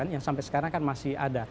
yang sampai sekarang kan masih ada